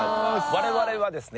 我々はですね